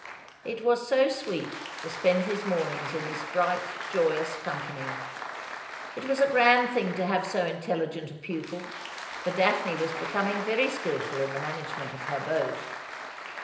It was so sweet to spend his mornings in this bright joyous company. It was a grand thing to have so intel ligent a pupil, for Daphne was becoming very skilful in the management of her boat.